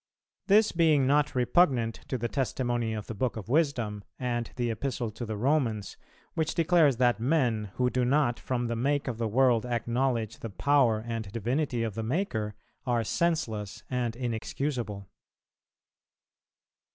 This being not repugnant to the testimony of the Book of Wisdom and the Epistle to the Romans, which declares that men who do not from the make of the world acknowledge the power and divinity of the Maker are senseless and inexcusable.